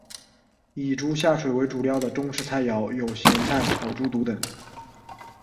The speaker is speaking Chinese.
以猪下水为主料的中式菜肴有咸菜炒猪肚等。